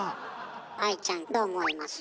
愛ちゃんどう思います？